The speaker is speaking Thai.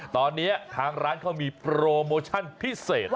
ตอนนี้ทางร้านเขามีโปรโมชั่นพิเศษ